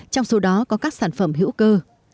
trong số đó có các sản phẩm hữu cơ